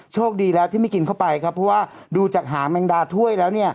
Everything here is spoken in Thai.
โชคดีแล้วที่ไม่กินเข้าไปครับเพราะว่าดูจากหาแมงดาถ้วยแล้วเนี่ย